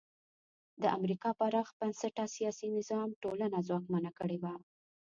د امریکا پراخ بنسټه سیاسي نظام ټولنه ځواکمنه کړې وه.